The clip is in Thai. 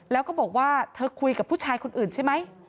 แล้วก็บอกว่าเธอคุยกับผู้ชายคนอื่นใช่ไหม